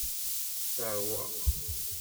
Teṛwa.